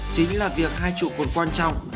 chính là việc hai trụ quân quan trọng